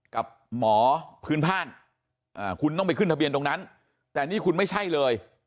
กับหมอพื้นบ้านคุณต้องไปขึ้นทะเบียนตรงนั้นแต่นี่คุณไม่ใช่เลย